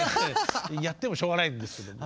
やってもしょうがないんですけど。